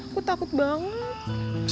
aku takut banget